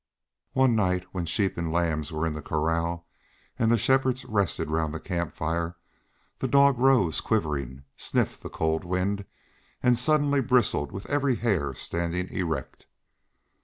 One night when sheep and lambs were in the corral, and the shepherds rested round the camp fire, the dog rose quivering, sniffed the cold wind, and suddenly bristled with every hair standing erect.